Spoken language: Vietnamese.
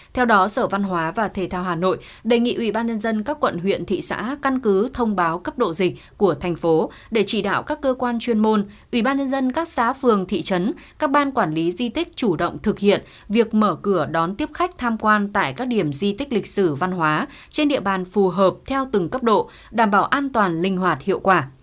theo đó sở văn hóa và thế thao hà nội đề nghị ủy ban nhân dân các quận huyện thị xã căn cứ thông báo cấp độ dịch của thành phố để chỉ đạo các cơ quan chuyên môn ủy ban nhân dân các xá phường thị trấn các ban quản lý di tích chủ động thực hiện việc mở cửa đón tiếp khách tham quan tại các điểm di tích lịch sử văn hóa trên địa bàn phù hợp theo từng cấp độ đảm bảo an toàn linh hoạt hiệu quả